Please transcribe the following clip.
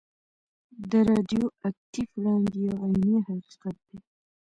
د راډیو اکټیف وړانګې یو عیني حقیقت دی.